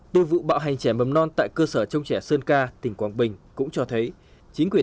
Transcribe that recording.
tôi vụ bạo hành trẻ mầm non tại cơ sở trông trẻ sơn ca tỉnh quảng bình cũng cho thấy chính quyền